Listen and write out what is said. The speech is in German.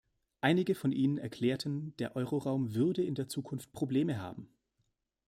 Einige von Ihnen erklärten, der Euroraum würde in der Zukunft Probleme haben.